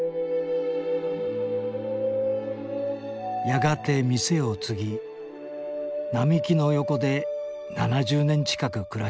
やがて店を継ぎ並木の横で７０年近く暮らしてきた。